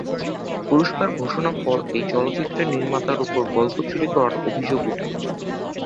পুরস্কার ঘোষণার পর এই চলচ্চিত্রের নির্মাতার উপর গল্প চুরি করার অভিযোগ ওঠে।